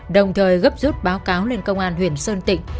đồng thời gấp rút báo cáo lên công an huyện sơn tịnh